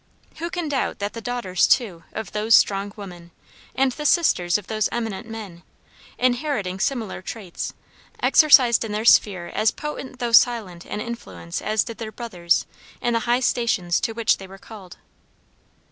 Who can doubt that the daughters, too, of those strong women, and the sisters of those eminent men, inheriting similar traits, exercised in their sphere as potent though silent an influence as did their brothers in the high stations to which they were called.